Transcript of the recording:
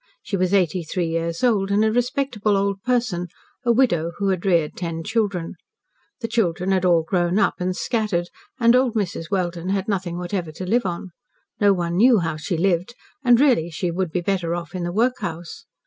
She was eighty three years old, and a respectable old person a widow, who had reared ten children. The children had all grown up, and scattered, and old Mrs. Welden had nothing whatever to live on. No one knew how she lived, and really she would be better off in the workhouse.